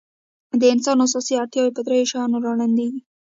د انسان اساسي اړتیاوې په درېو شیانو رالنډېږي.